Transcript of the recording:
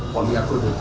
polmi agrup itu